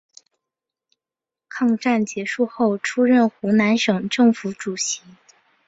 抗战结束后出任湖南省政府主席。